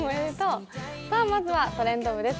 まずは「トレンド部」です。